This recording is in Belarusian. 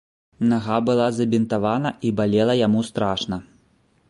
Нага была забінтавана і балела яму страшна.